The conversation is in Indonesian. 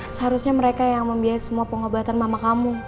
seharusnya mereka yang membiayai semua pengobatan mama kamu